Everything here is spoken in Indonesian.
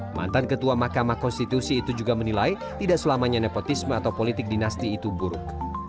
mantan ketua mahkamah konstitusi itu juga menilai tidak selamanya nepotisme atau politik dinasti itu buruk